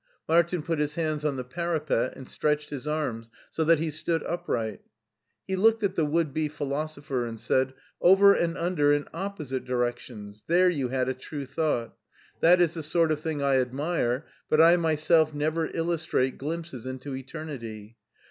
Martin put his hands on the parapet and stretched his arms so that he stood upright. He looked at the would be philosopher and said, " Over and under in opposite directions: there you had a true thought; that is the sort of thing I admire, but I myself never illustrate glimpses into eternity.